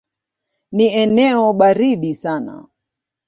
Ni eneo baridi sana.